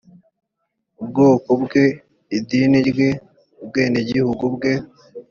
ubwoko bwe idini rye ubwenegihugu bwe